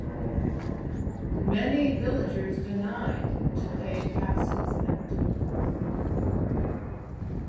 Many villagers denied to pay taxes and duties.